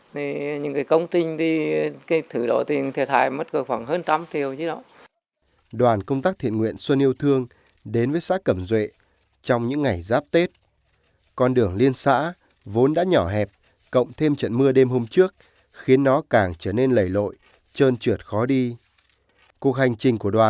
thì những cái công trình thì cái thứ đó thì thiệt hại mất gửi khoảng hơn trăm triệu chứ đó